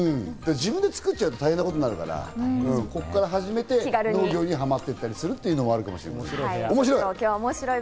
自分で作っちゃうと大変なことになるから、ここから始めて、農業にハマっていったりするというのはあるかもしれない。